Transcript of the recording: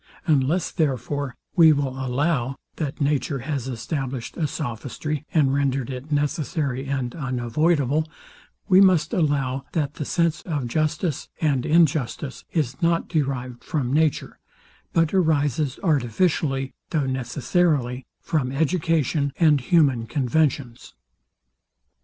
Unless, therefore, we will allow, that nature has established a sophistry, and rendered it necessary and unavoidable, we must allow, that the sense of justice and injustice is not derived from nature, but arises artificially, though necessarily from education, and human conventions.